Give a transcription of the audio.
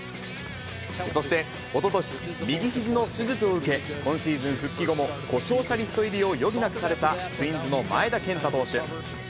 そして、おととし、右ひじの手術を受け、今シーズン復帰後も故障者リスト入りを余儀なくされたツインズの前田健太投手。